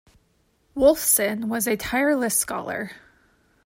Wolfson was a tireless scholar.